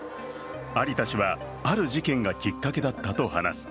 有田氏は、ある事件がきっかけだったと話す。